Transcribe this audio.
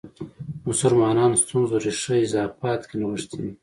مسلمانانو ستونزو ریښه اضافات کې نغښې ده.